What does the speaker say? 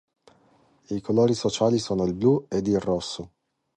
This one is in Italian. I colori sociali sono il blu ed il rosso.